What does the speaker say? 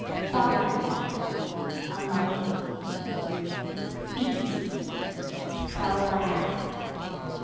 Father in Law Unlucky. Feast Trouble ahead.